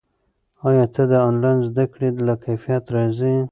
ایا ته د آنلاین زده کړې له کیفیت راضي یې؟